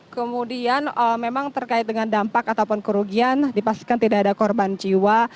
kemudian memang terkait dengan dampak ataupun kerugian dipastikan tidak ada korban jiwa